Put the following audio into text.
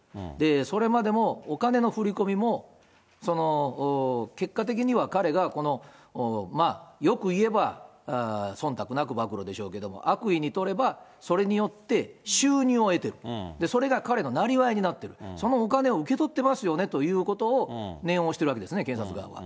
それまでもお金の振り込みも、結果的には彼がまあ、よくいえば、そんたくなく暴露でしょうけれども、悪意に取れば、それによって収入を得てる、それが彼の生業になってる、そのお金を受け取ってますよねということを、念を押してるわけですよね、検察側は。